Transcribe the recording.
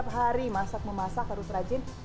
empat hari masak memasak harus rajin